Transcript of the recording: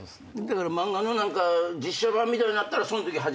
漫画の実写版みたいになったらそのとき初めて。